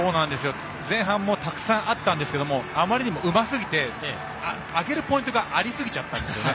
前半もたくさんあったんですけどあまりにもうますぎて上げるポイントがありすぎちゃったんですよね。